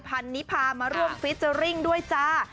พันนิพามาร่วมฟิเจอร์ริ่งด้วยจ้า